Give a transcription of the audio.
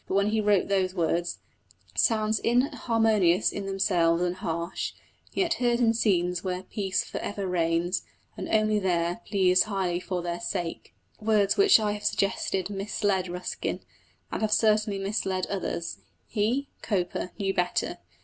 But when he wrote those words Sounds inharmonious in themselves, and harsh, Yet heard in scenes where peace for ever reigns, And only there, please highly for their sake words which I have suggested misled Ruskin, and have certainly misled others he, Cowper, knew better.